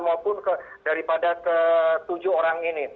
maupun daripada ketujuh orang ini